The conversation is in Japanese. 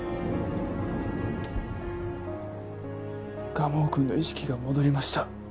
蒲生くんの意識が戻りました。